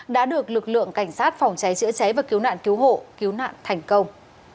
đã được lực lượng cảnh sát phòng cháy chữa cháy và cứu nạn cứu hộ cứu nạn thành công